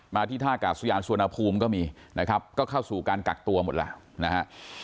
ที่ท่ากาศยานสุวรรณภูมิก็มีนะครับก็เข้าสู่การกักตัวหมดแล้วนะฮะ